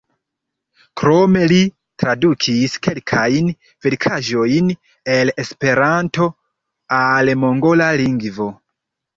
Krome li tradukis kelkajn verkaĵojn el Esperanto al mongola lingvo.